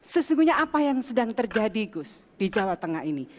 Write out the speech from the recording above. sesungguhnya apa yang sedang terjadi gus di jawa tengah ini